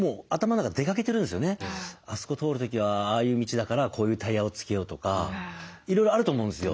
あそこ通る時はああいう道だからこういうタイヤをつけようとかいろいろあると思うんですよ